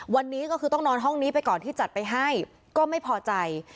วันนี้ก็คือต้องนอนห้องนี้ไปก่อนที่จัดไปให้ก็ไม่พอใจ